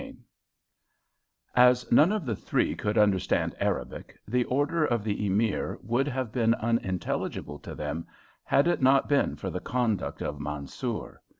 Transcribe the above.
CHAPTER IX As none of the three could understand Arabic, the order of the Emir would have been unintelligible to them had it not been for the conduct of Mansoor.